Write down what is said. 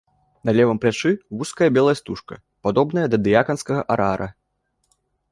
На левым плячы вузкая белая стужка, падобная да дыяканскага арара.